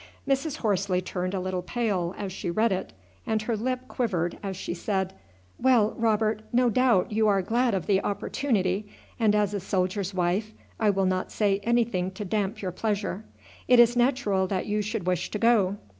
Mrs. Horsley turned a little pale as she read it, and her lip quivered as she said, "Well, Robert, no doubt you are glad of the opportunity, and as a soldier's wife I will not say anything to damp your pleasure. It is natural that you should wish to go.